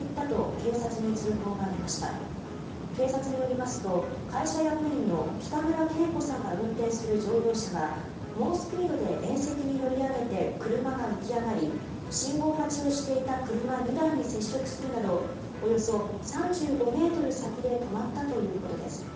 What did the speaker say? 警察によりますと会社役員の北村慶子さんが運転する乗用車が猛スピードで縁石に乗り上げて車が浮き上がり信号待ちをしていた車２台に接触するなどおよそ３５ｍ先で止まったということです。